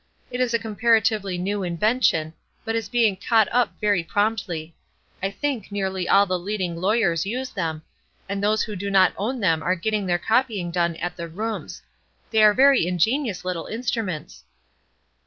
"It is a comparatively new invention, but is being caught up very promptly. I think nearly all the leading lawyers use them, and those who do not own them are getting their copying done at the rooms. They are very ingenious little instruments."